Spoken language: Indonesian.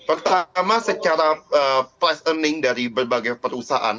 pertama secara price earning dari berbagai perusahaan